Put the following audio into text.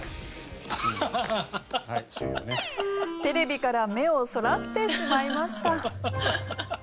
テレビから目をそらしてしまいました。